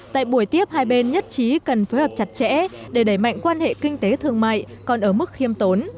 tại buổi tiếp hai bên nhất trí cần phối hợp chặt chẽ để đẩy mạnh quan hệ kinh tế thương mại còn ở mức khiêm tốn